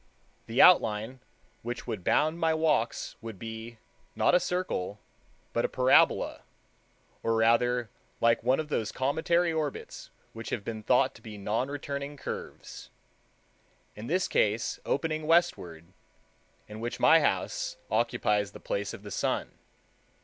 The outline which would bound my walks would be, not a circle, but a parabola, or rather like one of those cometary orbits which have been thought to be non returning curves, in this case opening westward, in which my house occupies the place of the sun.